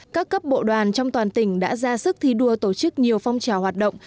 các cấp bộ đoàn trong toàn tỉnh đã ra sức thi đua tổ chức nhiều phong trào hoạt động